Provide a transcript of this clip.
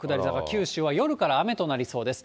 九州は夜から雨となりそうです。